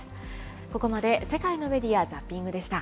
ここまで世界のメディア・ザッピングでした。